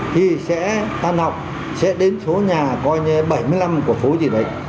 thì sẽ tan học sẽ đến số nhà coi như bảy mươi năm của phố gì đấy